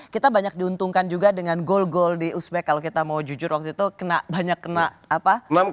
kita banyak diuntungkan juga dengan gol gol di uzbek kalau kita mau jujur waktu itu kena banyak kena apa